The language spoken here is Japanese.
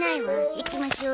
行きましょう。